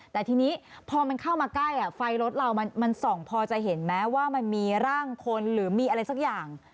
แต่ทีนี้พอมันเข้ามาใกล้ไฟรถเรามันส่องพอจะเห็นไหมว่ามันมีร่างคนหรือมีอะไรสักอย่าง